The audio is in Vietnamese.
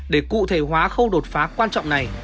để cụ thể hóa khâu đột phá quan trọng này